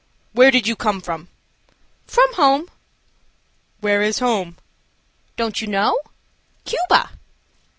Where did you come from?" "From home." "Where is home?" "Don't you know? Cuba."